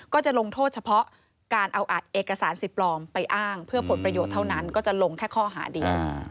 ก็จะลงโทษเฉพาะการเอาเอกสารสิทธิ์ปลอมไปอ้างเพื่อผลประโยชน์เท่านั้นก็จะลงแค่ข้อหาเดียว